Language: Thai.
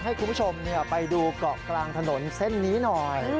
ให้คุณผู้ชมไปดูเกาะกลางถนนเส้นนี้หน่อย